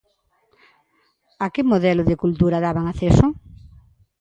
A que modelo de cultura daban acceso?